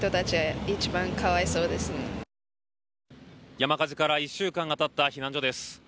山火事から１週間がたった避難所です。